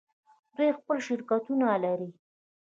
دوی خپل شرکتونه لري.